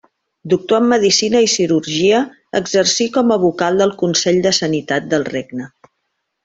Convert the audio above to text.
Doctor en medicina i cirurgia, exercí com a vocal del Consell de Sanitat del Regne.